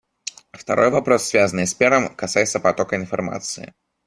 Второй вопрос, связанный с первым, касается потока информации.